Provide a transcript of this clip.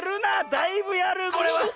だいぶやるこれは。